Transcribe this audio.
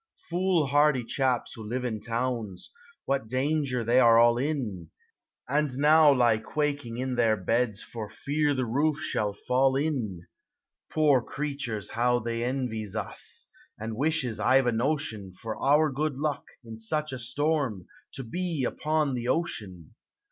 i:n; POEMS OF XATURE. " Foolhardy chaps who live in towns, What danger they are all in, And now lie quaking in their beds, For fear the roof shall fall in: Poor creatures! how they envies us, And wishes, I 've a notion, For our good luck, in such a storm, To be upon the ocean!